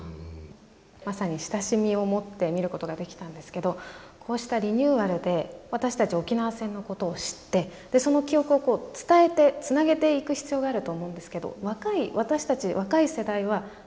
まさに親しみを持って見ることができたんですけどこうしたリニューアルで私たち沖縄戦のことを知ってその記憶を伝えてつなげていく必要があると思うんですけど若い私たち若い世代はどんなことができますかね。